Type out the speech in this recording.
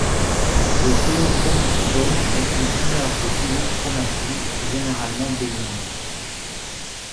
Le phéochromocytome est une tumeur des cellules chromaffines, généralement bénigne.